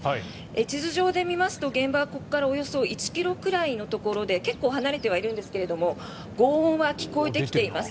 地図上で見ますと、現場はここからおよそ１ｋｍくらいのところで結構、離れてはいるんですがごう音は聞こえてきています。